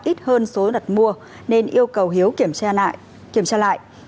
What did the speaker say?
ít hơn số đặt mua nên yêu cầu hiếu kiểm tra lại